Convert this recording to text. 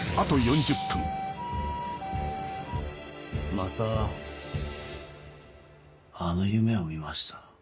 またあの夢を見ました。